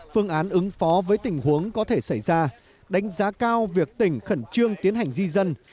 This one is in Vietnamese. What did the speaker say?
phương án ứng phó với tình huống có thể xảy ra đánh giá cao việc tỉnh khẩn trương tiến hành di dân